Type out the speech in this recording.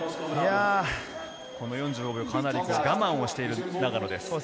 ４５秒、かなり我慢をしている永野です。